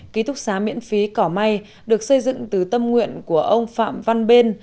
ký thúc xá miễn phí cỏ may được xây dựng từ tâm nguyện của ông phạm văn bên